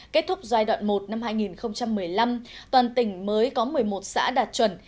kết thúc giai đoạn một năm hai nghìn một mươi năm toàn tỉnh mới có một mươi một xã đạt chuẩn